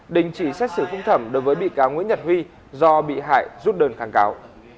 đình chỉ xét xử phúc thẩm đối với bị cáo nguyễn nhật huy do bị hại rút đơn kháng cáo